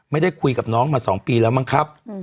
ไม่ได้คุยกับน้องมา๒ปีแล้วมั้งครับ